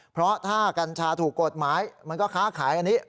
เพราะถ้ากัญชาถูกกฎหมายมันก็ค้าขายอันนี้